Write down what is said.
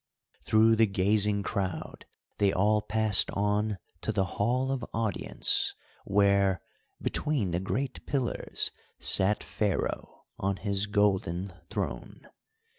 Through the gazing crowd they all passed on to the Hall of Audience, where, between the great pillars, sat Pharaoh on his golden throne.